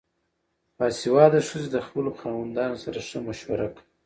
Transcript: باسواده ښځې د خپلو خاوندانو سره ښه مشوره کوي.